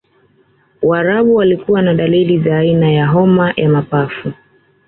waarabu walikuwa na dalili za aina ya homa ya mapafu